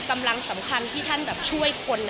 กำลังสำคัญที่ท่านแบบช่วยคน